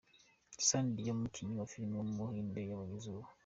Sunny Deol, umukinnyi wa filime w’umuhinde yabonye izuba.